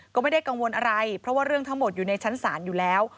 ก็ไม่ได้กังวลอะไรเพราะว่าเรื่องทั้งหมดอยู่ในชั้นศาลอยู่แล้ว